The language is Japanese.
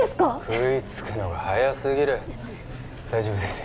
食いつくのが早すぎるすいません大丈夫ですよ